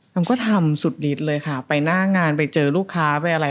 มันก็ทำสุดนิดเลยค่ะไปหน้างานไปเจอลูกค้าไปอะไร